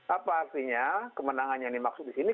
apa artinya kemenangan yang dimaksud di sini